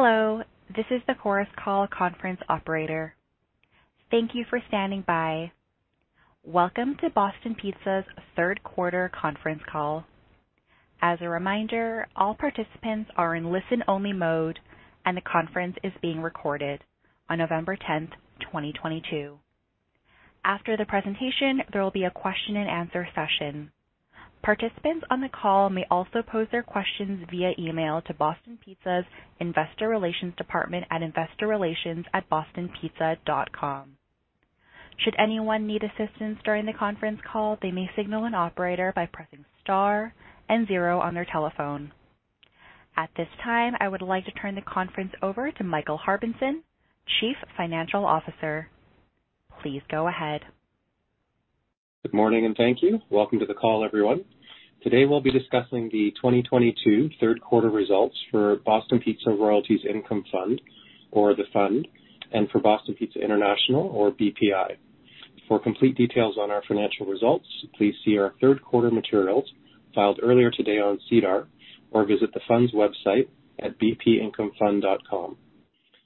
Hello, this is the Chorus Call conference operator. Thank you for standing by. Welcome to Boston Pizza's third quarter conference call. As a reminder, all participants are in listen only mode, and the conference is being recorded on November 10, 2022. After the presentation, there will be a question and answer session. Participants on the call may also pose their questions via email to Boston Pizza's investor relations department at investorrelations@bostonpizza.com. Should anyone need assistance during the conference call, they may signal an operator by pressing star and zero on their telephone. At this time, I would like to turn the conference over to Michael Harbinson, Chief Financial Officer. Please go ahead. Good morning and thank you. Welcome to the call, everyone. Today we'll be discussing the 2022 third quarter results for Boston Pizza Royalties Income Fund or The Fund, and for Boston Pizza International or BPI. For complete details on our financial results, please see our third quarter materials filed earlier today on SEDAR or visit The Fund's website at bpincomefund.com.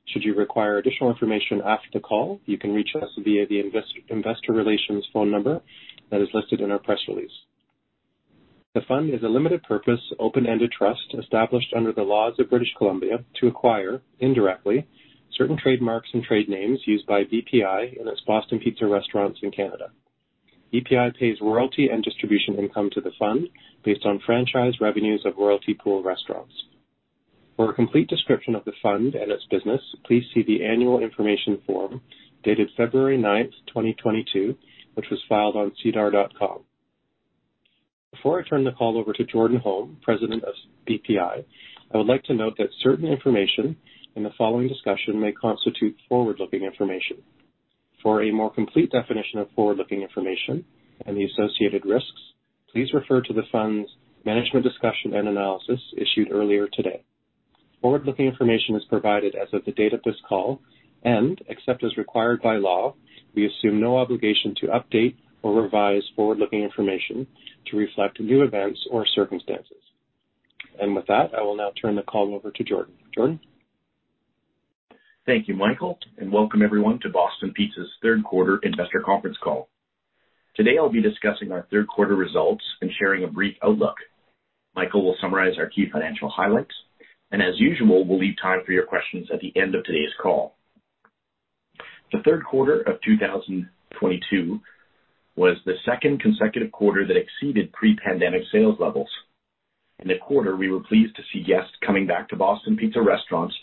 Should you require additional information after the call, you can reach us via the investor relations phone number that is listed in our press release. The Fund is a limited purpose, open-ended trust established under the laws of British Columbia to acquire, indirectly, certain trademarks and trade names used by BPI in its Boston Pizza restaurants in Canada. BPI pays royalty and distribution income to The Fund based on franchise revenues of royalty pool restaurants. For a complete description of The Fund and its business, please see the annual information form dated February 9, 2022, which was filed on SEDAR.com. Before I turn the call over to Jordan Holm, president of BPI, I would like to note that certain information in the following discussion may constitute forward-looking information. For a more complete definition of forward-looking information and the associated risks, please refer to The Fund's management discussion and analysis issued earlier today. Forward-looking information is provided as of the date of this call, and except as required by law, we assume no obligation to update or revise forward-looking information to reflect new events or circumstances. With that, I will now turn the call over to Jordan. Jordan. Thank you, Michael, and welcome everyone to Boston Pizza's third quarter investor conference call. Today I'll be discussing our third quarter results and sharing a brief outlook. Michael will summarize our key financial highlights, and as usual, we'll leave time for your questions at the end of today's call. The third quarter of 2022 was the second consecutive quarter that exceeded pre-pandemic sales levels. In the quarter, we were pleased to see guests coming back to Boston Pizza restaurants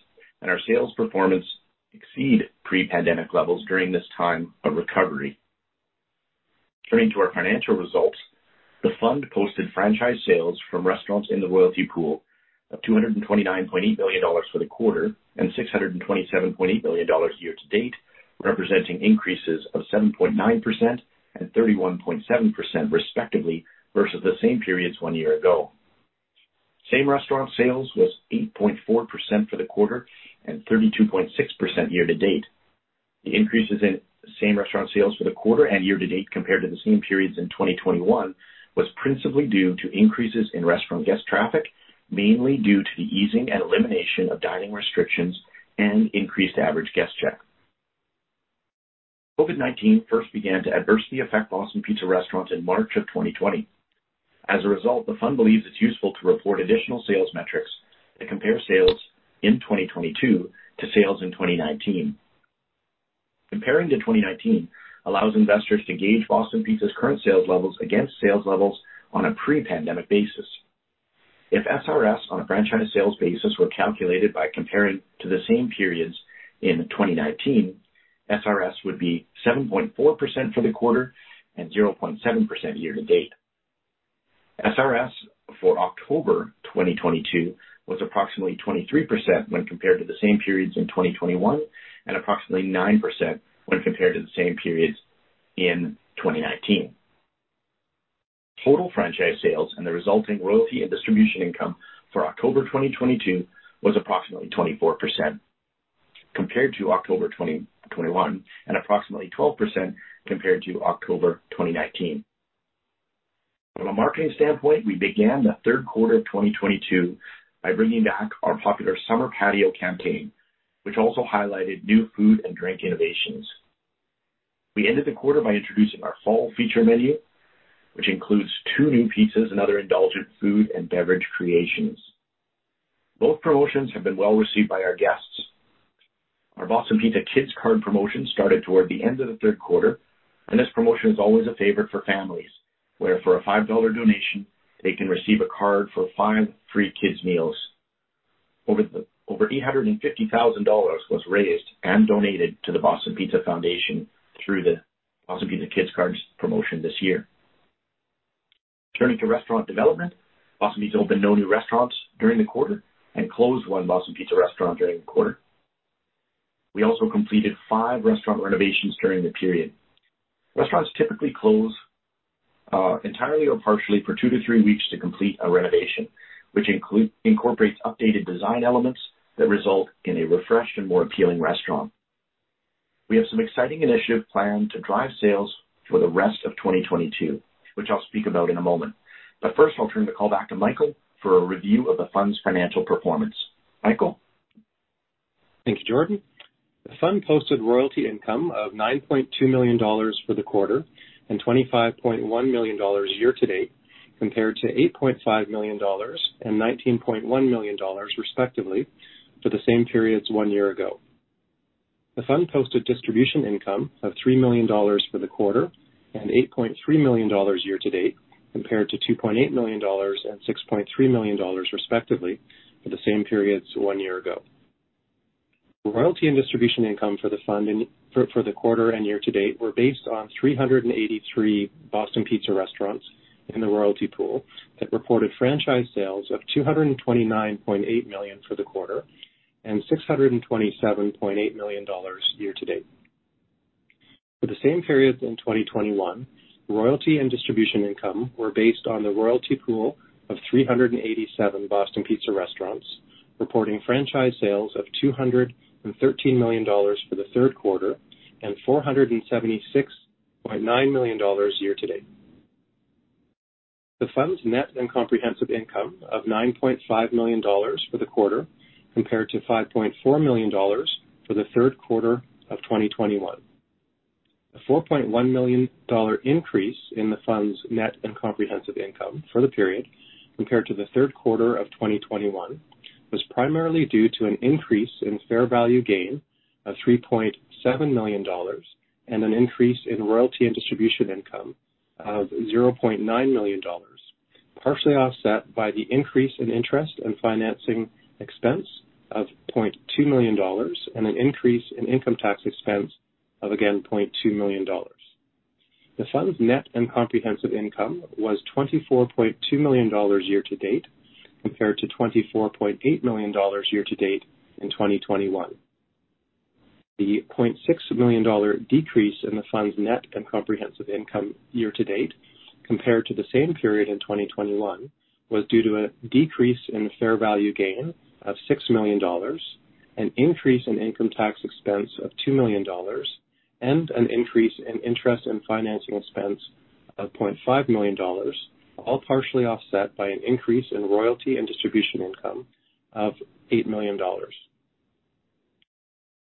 and our sales performance exceed pre-pandemic levels during this time of recovery. Turning to our financial results, The Fund posted Franchise Sales from restaurants in the royalty pool of 229.8 million dollars for the quarter and 627.8 million dollars year to date, representing increases of 7.9% and 31.7%, respectively, versus the same periods one year ago. Same Restaurant Sales was 8.4% for the quarter and 32.6% year to date. The increases in Same Restaurant Sales for the quarter and year to date compared to the same periods in 2021 was principally due to increases in restaurant guest traffic, mainly due to the easing and elimination of dining restrictions and increased average guest check. COVID-19 first began to adversely affect Boston Pizza restaurants in March of 2020. As a result, The Fund believes it's useful to report additional sales metrics that compare sales in 2022 to sales in 2019. Comparing to 2019 allows investors to gauge Boston Pizza's current sales levels against sales levels on a pre-pandemic basis. If SRS on a franchise sales basis were calculated by comparing to the same periods in 2019, SRS would be 7.4% for the quarter and 0.7% year to date. SRS for October 2022 was approximately 23% when compared to the same periods in 2021 and approximately 9% when compared to the same periods in 2019. Total franchise sales and the resulting royalty and distribution income for October 2022 was approximately 24% compared to October 2021 and approximately 12% compared to October 2019. From a marketing standpoint, we began the third quarter of 2022 by bringing back our popular summer patio campaign, which also highlighted new food and drink innovations. We ended the quarter by introducing our fall feature menu, which includes two new pizzas and other indulgent food and beverage creations. Both promotions have been well received by our guests. Our Boston Pizza Kids Card promotion started toward the end of the third quarter, and this promotion is always a favorite for families, where for a CAD five donation they can receive a card for five free kids meals. Over 850,000 dollars was raised and donated to the Boston Pizza Foundation through the Boston Pizza Kids Card promotion this year. Turning to restaurant development, Boston Pizza opened no new restaurants during the quarter and closed 1 Boston Pizza restaurant during the quarter. We also completed five restaurant renovations during the period. Restaurants typically close entirely or partially for two to three weeks to complete a renovation, which incorporates updated design elements that result in a refreshed and more appealing restaurant. We have some exciting initiatives planned to drive sales for the rest of 2022, which I'll speak about in a moment. First, I'll turn the call back to Michael for a review of the fund's financial performance. Michael? Thank you, Jordan. The fund posted royalty income of 9.2 million dollars for the quarter and 25.1 million dollars year to date, compared to 8.5 million dollars and 19.1 million dollars, respectively, for the same periods one year ago. The fund posted distribution income of 3 million dollars for the quarter and 8.3 million dollars year to date, compared to 2.8 million dollars and 6.3 million dollars, respectively, for the same periods one year ago. Royalty and distribution income for the fund for the quarter and year to date were based on 383 Boston Pizza restaurants in the royalty pool that reported franchise sales of 229.8 million for the quarter and 627.8 million dollars year to date. For the same periods in 2021, royalty and distribution income were based on the royalty pool of 387 Boston Pizza restaurants, reporting franchise sales of 213 million dollars for the third quarter and 476.9 million dollars year to date. The fund's net comprehensive income of 9.5 million dollars for the quarter, compared to 5.4 million dollars for the third quarter of 2021. The 4.1 million dollar increase in the fund's net and comprehensive income for the period, compared to the third quarter of 2021, was primarily due to an increase in fair value gain of 3.7 million dollars and an increase in royalty and distribution income of 0.9 million dollars, partially offset by the increase in interest and financing expense of 0.2 million dollars and an increase in income tax expense of, again, 0.2 million dollars. The fund's net and comprehensive income was 24.2 million dollars year to date, compared to 24.8 million dollars year to date in 2021. The 0.6 million dollar decrease in the fund's net and comprehensive income year to date compared to the same period in 2021 was due to a decrease in fair value gain of 6 million dollars, an increase in income tax expense of 2 million dollars, and an increase in interest and financing expense of 0.5 million dollars, all partially offset by an increase in royalty and distribution income of 8 million dollars.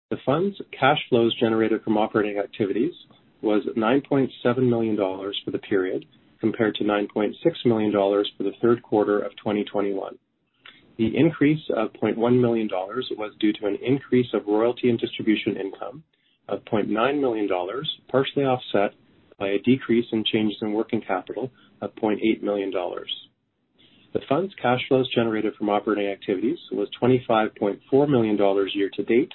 The fund's cash flows generated from operating activities was 9.7 million dollars for the period, compared to 9.6 million dollars for the third quarter of 2021. The increase of 0.1 million dollars was due to an increase of royalty and distribution income of 0.9 million dollars, partially offset by a decrease in changes in working capital of 0.8 million dollars. The fund's cash flows generated from operating activities was 25.4 million dollars year to date,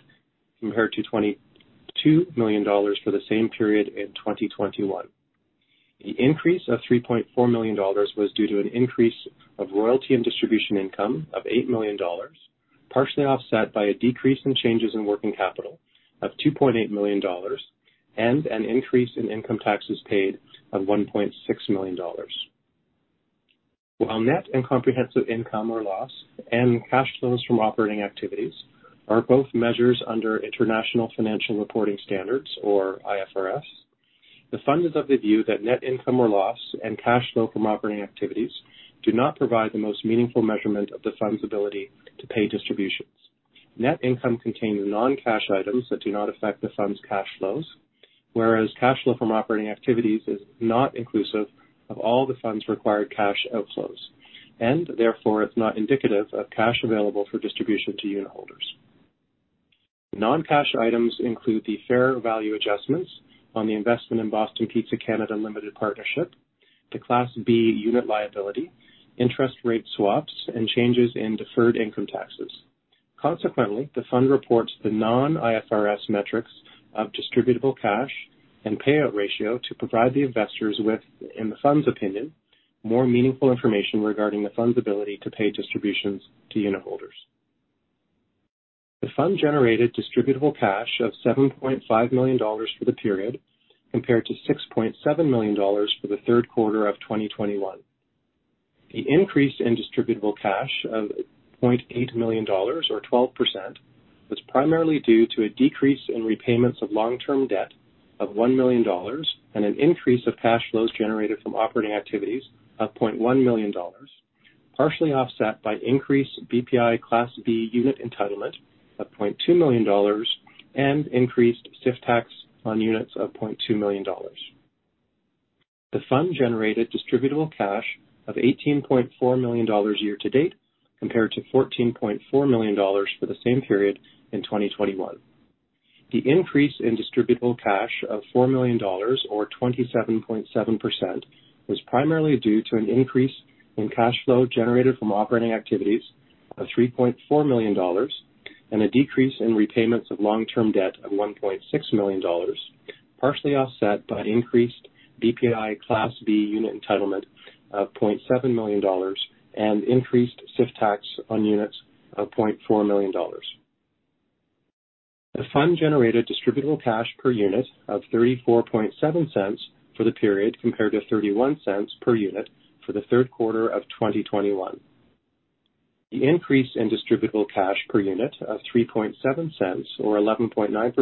compared to 22 million dollars for the same period in 2021. The increase of 3.4 million dollars was due to an increase of royalty and distribution income of 8 million dollars, partially offset by a decrease in changes in working capital of 2.8 million dollars and an increase in income taxes paid of 1.6 million dollars. While net and comprehensive income or loss and cash flows from operating activities are both measures under International Financial Reporting Standards, or IFRS, the fund is of the view that net income or loss and cash flow from operating activities do not provide the most meaningful measurement of the fund's ability to pay distributions. Net income contains non-cash items that do not affect the fund's cash flows, whereas cash flow from operating activities is not inclusive of all the fund's required cash outflows, and therefore it's not indicative of cash available for distribution to unitholders. Non-cash items include the fair value adjustments on the investment in Boston Pizza Canada Limited Partnership, the Class B unit liability, interest rate swaps, and changes in deferred income taxes. Consequently, the fund reports the non-IFRS metrics of Distributable Cash and Payout Ratio to provide the investors with, in the fund's opinion, more meaningful information regarding the fund's ability to pay distributions to unitholders. The fund generated Distributable Cash of 7.5 million dollars for the period, compared to 6.7 million dollars for the third quarter of 2021. The increase in distributable cash of 0.8 million dollars, or 12%, was primarily due to a decrease in repayments of long-term debt of 1 million dollars and an increase of cash flows generated from operating activities of 0.1 million dollars, partially offset by increased BPI Class B unit entitlement of 0.2 million dollars and increased SIFT tax on units of 0.2 million dollars. The fund generated distributable cash of 18.4 million dollars year to date, compared to 14.4 million dollars for the same period in 2021. The increase in Distributable Cash of 4 million dollars, or 27.7%, was primarily due to an increase in cash flow generated from operating activities of 3.4 million dollars and a decrease in repayments of long-term debt of 1.6 million dollars, partially offset by increased BPI Class B unit entitlement of 0.7 million dollars and increased SIFT tax on units of 0.4 million dollars. The fund generated Distributable Cash per unit of 0.347 for the period, compared to 0.31 per unit for the third quarter of 2021. The increase in Distributable Cash per unit of 0.037 or 11.9%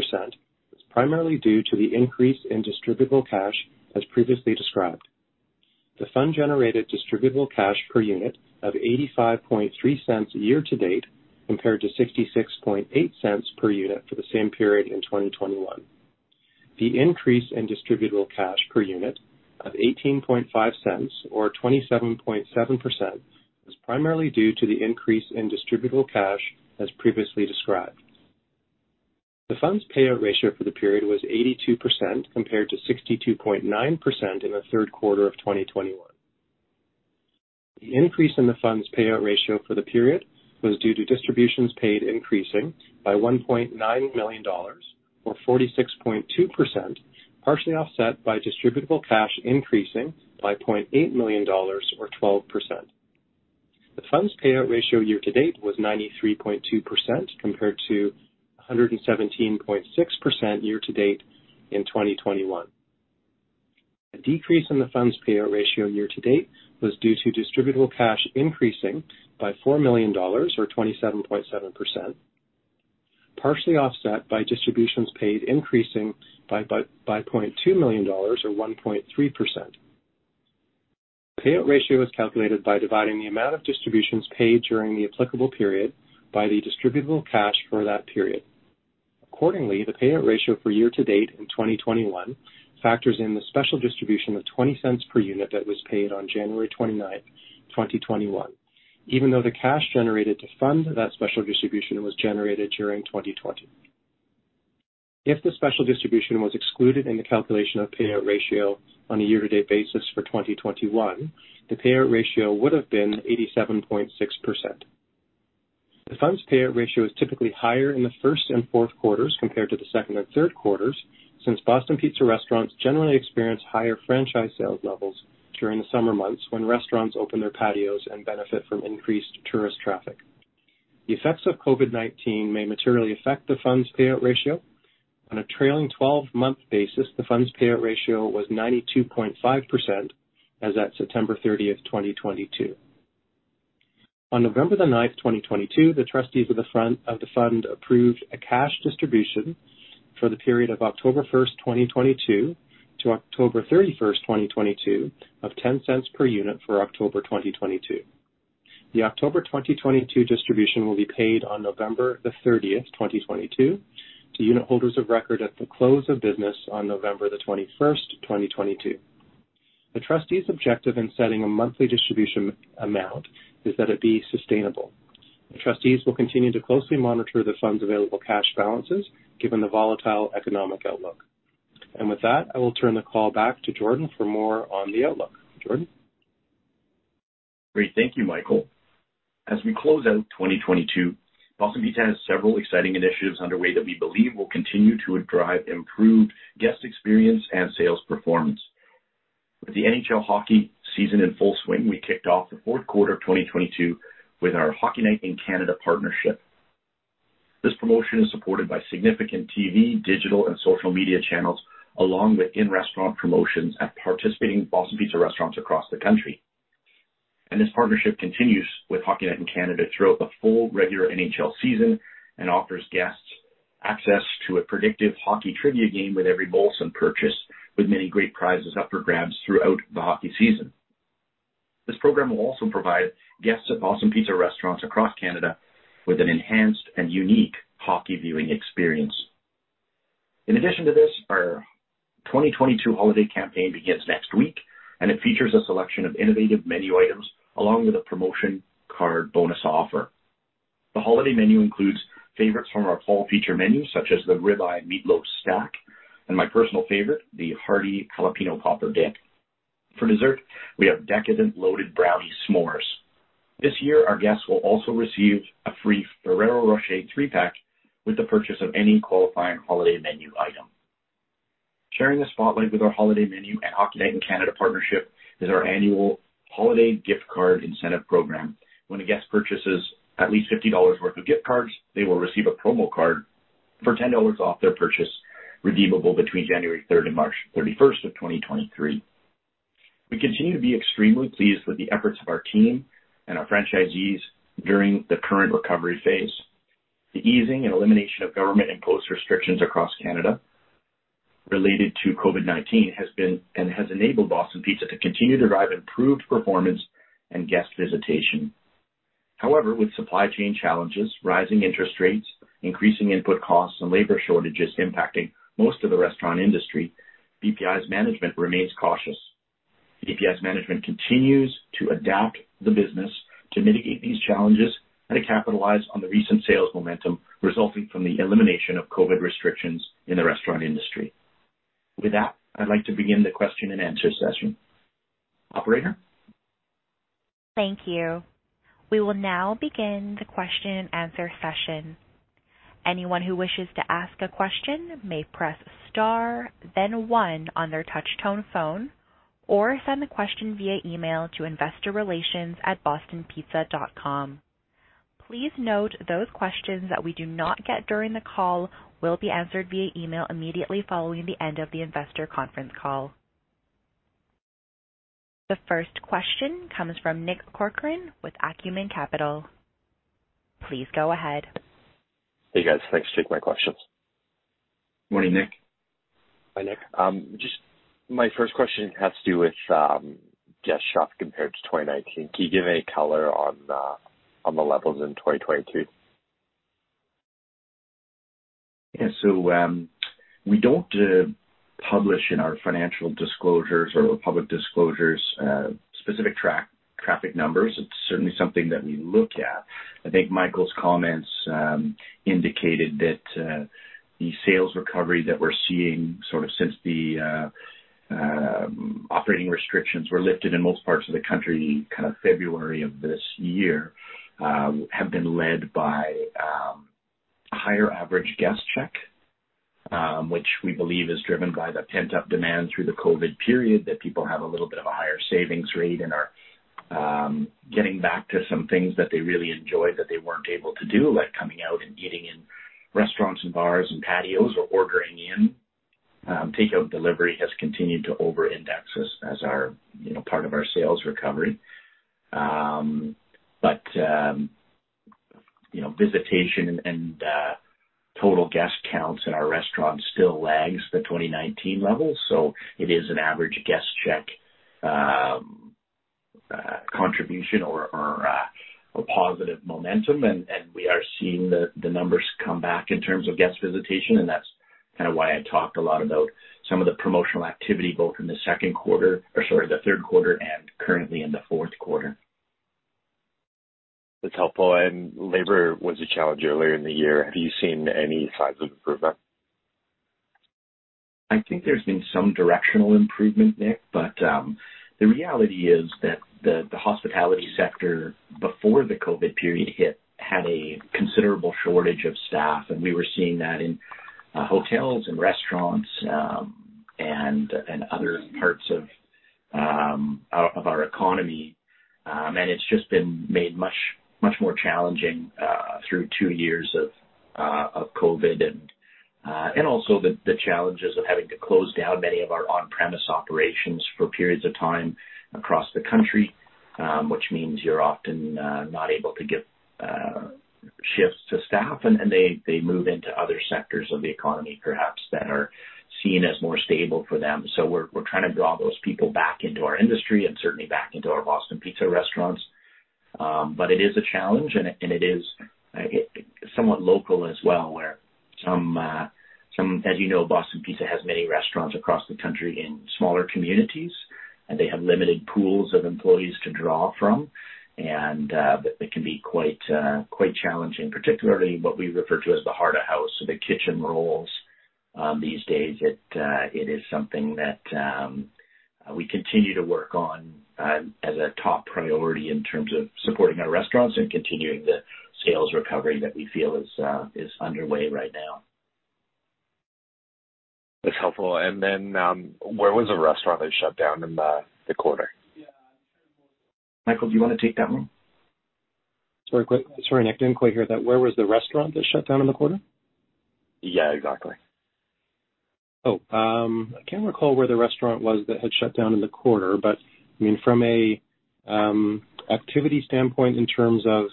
is primarily due to the increase in Distributable Cash as previously described. The fund generated distributable cash per unit of 0.853 year to date, compared to 0.668 per unit for the same period in 2021. The increase in distributable cash per unit of 0.185 or 27.7% is primarily due to the increase in distributable cash as previously described. The fund's payout ratio for the period was 82%, compared to 62.9% in the third quarter of 2021. The increase in the fund's payout ratio for the period was due to distributions paid increasing by 1.9 million dollars, or 46.2%, partially offset by distributable cash increasing by 0.8 million dollars or 12%. The fund's payout ratio year to date was 93.2% compared to 117.6% year to date in 2021. A decrease in the fund's payout ratio year to date was due to distributable cash increasing by 4 million dollars, or 27.7%, partially offset by distributions paid increasing by 0.2 million dollars or 1.3%. Payout ratio is calculated by dividing the amount of distributions paid during the applicable period by the distributable cash for that period. Accordingly, the payout ratio for year to date in 2021 factors in the special distribution of 0.20 per unit that was paid on January 29, 2021, even though the cash generated to fund that special distribution was generated during 2020. If the special distribution was excluded in the calculation of payout ratio on a year-to-date basis for 2021, the payout ratio would have been 87.6%. The fund's payout ratio is typically higher in the first and fourth quarters compared to the second and third quarters since Boston Pizza restaurants generally experience higher franchise sales levels during the summer months when restaurants open their patios and benefit from increased tourist traffic. The effects of COVID-19 may materially affect the fund's payout ratio. On a trailing twelve-month basis, the fund's payout ratio was 92.5% as at September 30, 2022. On November 9, 2022, the trustees of the fund approved a cash distribution for the period of October 1, 2022 to October 31, 2022 of 0.10 per unit for October 2022. The October 2022 distribution will be paid on November 30, 2022 to unit holders of record at the close of business on November 21, 2022. The trustees' objective in setting a monthly distribution amount is that it be sustainable. The trustees will continue to closely monitor the fund's available cash balances given the volatile economic outlook. With that, I will turn the call back to Jordan for more on the outlook. Jordan. Great. Thank you, Michael. As we close out 2022, Boston Pizza has several exciting initiatives underway that we believe will continue to drive improved guest experience and sales performance. With the NHL hockey season in full swing, we kicked off the fourth quarter of 2022 with our Hockey Night in Canada partnership. This promotion is supported by significant TV, digital, and social media channels, along with in-restaurant promotions at participating Boston Pizza restaurants across the country. This partnership continues with Hockey Night in Canada throughout the full regular NHL season and offers guests access to a predictive hockey trivia game with every Molson purchase, with many great prizes up for grabs throughout the hockey season. This program will also provide guests at Boston Pizza restaurants across Canada with an enhanced and unique hockey viewing experience. In addition to this, our 2022 holiday campaign begins next week, and it features a selection of innovative menu items along with a promotion card bonus offer. The holiday menu includes favorites from our fall feature menu, such as the rib eye meatloaf stack and my personal favorite, the hearty jalapeño popper dip. For dessert, we have decadent loaded brownie s'mores. This year, our guests will also receive a free Ferrero Rocher three-pack with the purchase of any qualifying holiday menu item. Sharing the spotlight with our holiday menu and Hockey Night in Canada partnership is our annual holiday gift card incentive program. When a guest purchases at least 50 dollars worth of gift cards, they will receive a promo card for 10 dollars off their purchase, redeemable between January third and March thirty-first of 2023. We continue to be extremely pleased with the efforts of our team and our franchisees during the current recovery phase. The easing and elimination of government-imposed restrictions across Canada related to COVID-19 has enabled Boston Pizza to continue to drive improved performance and guest visitation. However, with supply chain challenges, rising interest rates, increasing input costs and labor shortages impacting most of the restaurant industry, BPI's management remains cautious. BPI's management continues to adapt the business to mitigate these challenges and to capitalize on the recent sales momentum resulting from the elimination of COVID restrictions in the restaurant industry. With that, I'd like to begin the question and answer session. Operator? Thank you. We will now begin the question and answer session. Anyone who wishes to ask a question may press star then one on their touch tone phone or send the question via email to investorrelations@bostonpizza.com. Please note those questions that we do not get during the call will be answered via email immediately following the end of the investor conference call. The first question comes from Nick Corcoran with Acumen Capital. Please go ahead. Hey, guys. Thanks. Take my questions. Morning, Nick. Hi, Nick. Just my first question has to do with guest traffic compared to 2019. Can you give any color on the levels in 2022? Yeah. We don't publish in our financial disclosures or public disclosures specific track-traffic numbers. It's certainly something that we look at. I think Michael's comments indicated that the sales recovery that we're seeing sort of since the operating restrictions were lifted in most parts of the country kind of February of this year have been led by higher average guest check which we believe is driven by the pent-up demand through the COVID period that people have a little bit of a higher savings rate and are getting back to some things that they really enjoy that they weren't able to do like coming out and eating in restaurants and bars and patios or ordering in. Take out and delivery has continued to over-index as our you know part of our sales recovery. You know, visitation and total guest counts in our restaurants still lags the 2019 levels. It is an average guest check contribution or a positive momentum. We are seeing the numbers come back in terms of guest visitation, and that's kind of why I talked a lot about some of the promotional activity both in the third quarter and currently in the fourth quarter. That's helpful. Labor was a challenge earlier in the year. Have you seen any signs of improvement? I think there's been some directional improvement, Nick, but the reality is that the hospitality sector before the COVID period hit had a considerable shortage of staff, and we were seeing that in hotels and restaurants and other parts of our economy. It's just been made much more challenging through two years of COVID and also the challenges of having to close down many of our on-premise operations for periods of time across the country, which means you're often not able to give shifts to staff and they move into other sectors of the economy perhaps that are seen as more stable for them. We're trying to draw those people back into our industry and certainly back into our Boston Pizza restaurants. It is a challenge and it is somewhat local as well. As you know, Boston Pizza has many restaurants across the country in smaller communities, and they have limited pools of employees to draw from. It can be quite challenging, particularly in what we refer to as the heart of house, so the kitchen roles these days. It is something that we continue to work on as a top priority in terms of supporting our restaurants and continuing the sales recovery that we feel is underway right now. That's helpful. Where was the restaurant that shut down in the quarter? Michael, do you wanna take that one? Sorry, quick. Sorry, Nick. Didn't quite hear that. Where was the restaurant that shut down in the quarter? Yeah, exactly. I can't recall where the restaurant was that had shut down in the quarter, but I mean, from a activity standpoint in terms of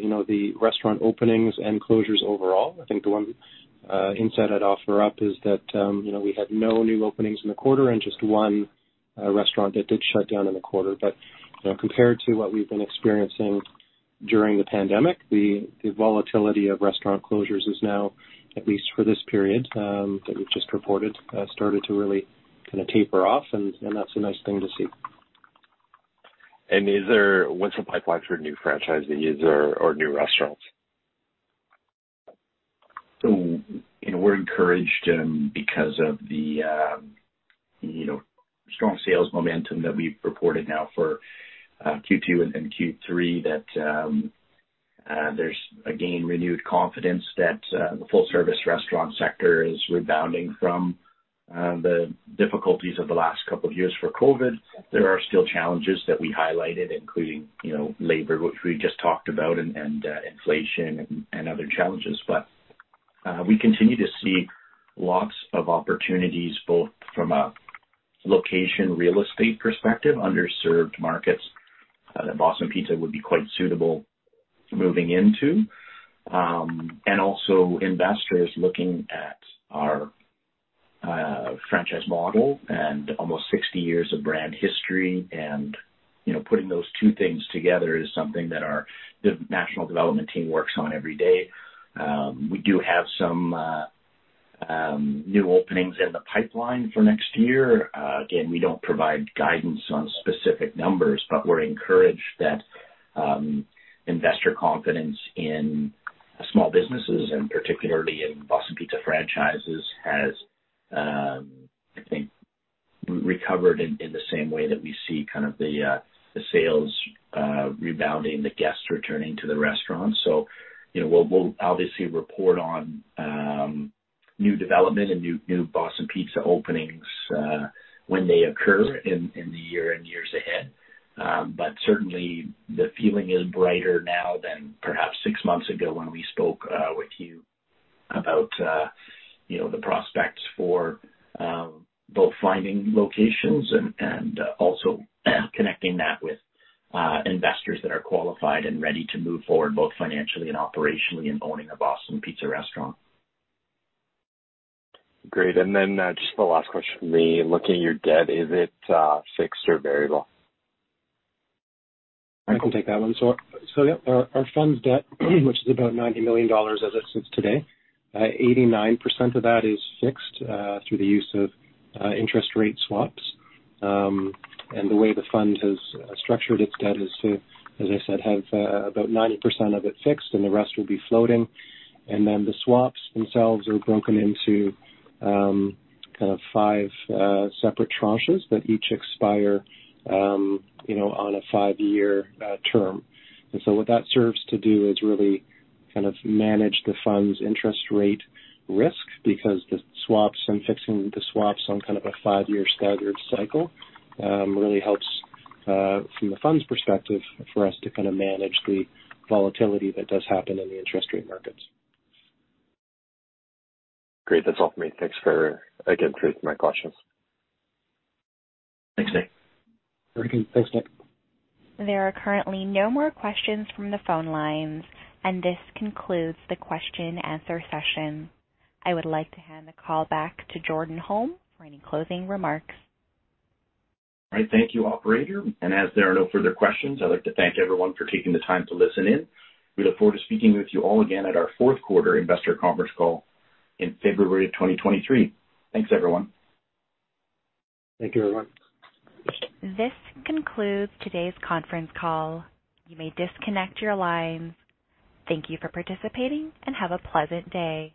you know, the restaurant openings and closures overall, I think the one insight I'd offer up is that you know, we had no new openings in the quarter and just one restaurant that did shut down in the quarter. You know, compared to what we've been experiencing during the pandemic, the volatility of restaurant closures is now, at least for this period that we've just reported, started to really kinda taper off and that's a nice thing to see. What's the pipeline for new franchisees or new restaurants? You know, we're encouraged because of the strong sales momentum that we've reported now for Q2 and Q3, that there's again renewed confidence that the full service restaurant sector is rebounding from the difficulties of the last couple of years for COVID. There are still challenges that we highlighted, including, you know, labor, which we just talked about, and inflation and other challenges. We continue to see lots of opportunities, both from a location real estate perspective, underserved markets that Boston Pizza would be quite suitable moving into, and also investors looking at our franchise model and almost 60 years of brand history. You know, putting those two things together is something that the national development team works on every day. We do have some new openings in the pipeline for next year. Again, we don't provide guidance on specific numbers, but we're encouraged that investor confidence in small businesses, and particularly in Boston Pizza franchises, has, I think, recovered in the same way that we see kind of the sales rebounding, the guests returning to the restaurant. You know, we'll obviously report on new development and new Boston Pizza openings when they occur in the year and years ahead. Certainly the feeling is brighter now than perhaps six months ago when we spoke with you about, you know, the prospects for both finding locations and also connecting that with investors that are qualified and ready to move forward, both financially and operationally, in owning a Boston Pizza restaurant. Great. Just the last question from me. Looking at your debt, is it fixed or variable? I can take that one. Yeah, our fund's debt, which is about 90 million dollars as of today, 89% of that is fixed through the use of interest rate swaps. The way the fund has structured its debt is to, as I said, have about 90% of it fixed and the rest will be floating. The swaps themselves are broken into five separate tranches that each expire on a 5-year term. What that serves to do is really manage the fund's interest rate risk because the swaps and fixing the swaps on a 5-year staggered cycle really helps from the fund's perspective for us to manage the volatility that does happen in the interest rate markets. Great. That's all for me. Thanks again for my questions. Thanks, Nick. Very good. Thanks, Nick. There are currently no more questions from the phone lines, and this concludes the question and answer session. I would like to hand the call back to Jordan Holm for any closing remarks. All right. Thank you, operator. As there are no further questions, I'd like to thank everyone for taking the time to listen in. We look forward to speaking with you all again at our fourth quarter investor conference call in February of 2023. Thanks, everyone. Thank you, everyone. This concludes today's conference call. You may disconnect your lines. Thank you for participating and have a pleasant day.